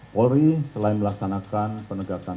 polri selain melaksanakan penegakan